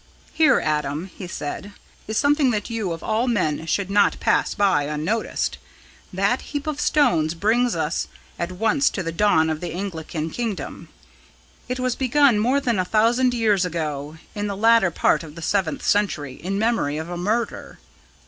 "Here, Adam," he said, "is something that you of all men should not pass by unnoticed. That heap of stones brings us at once to the dawn of the Anglian kingdom. It was begun more than a thousand years ago in the latter part of the seventh century in memory of a murder.